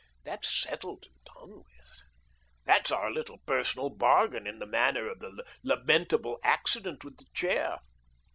That's settled and done with. That's our little personal bargain in the matter of the lamentable accident with the chair.